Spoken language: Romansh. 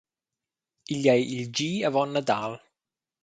Igl ei il di avon Nadal.